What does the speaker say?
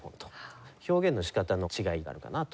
表現の仕方の違いがあるかなと。